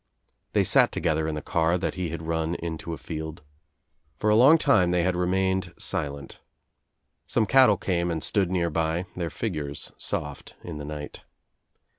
They sat together In the car that he had run Into a field. For a long time they had remained silent. Some cattle came and stood nearby, their figures soft In the night.